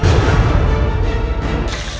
masaknya udah lama banget